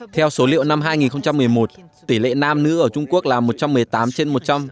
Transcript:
theo số liệu năm hai nghìn một mươi một tỷ lệ nam nữ ở trung quốc là một trăm một mươi tám trên một trăm linh